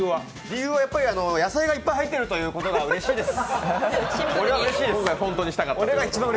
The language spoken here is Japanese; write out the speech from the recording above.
理由は野菜がいっぱい入ってることがうれしいです。